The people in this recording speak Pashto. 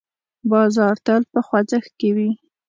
بازار تل په خوځښت کې وي.